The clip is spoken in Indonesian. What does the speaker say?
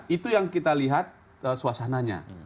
itu yang kita lihat suasananya